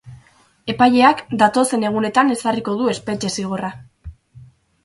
Epaileak datozen egunetan ezarriko du espetxe zigorra.